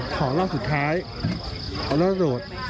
ขอรอบสุดท้ายเขาโดด